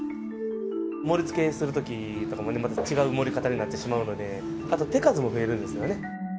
盛りつけするときとかも、違う盛り方になってしまうので、あと、手数も増えるんですよね。